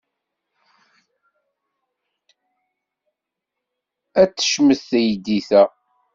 Ay tecmet teydit-a!